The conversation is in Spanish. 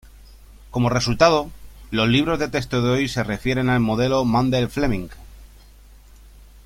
Como resultado, los libros de texto de hoy se refieren al modelo Mundell-Fleming.